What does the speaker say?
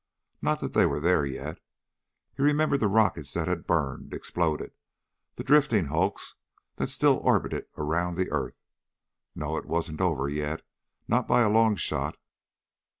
Not that they were there yet. He remembered the rockets that had burned ... exploded ... the drifting hulks that still orbited around the earth. No, it wasn't over yet. Not by a long shot.